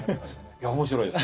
いや面白いです。